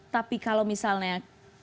tapi kalau misalnya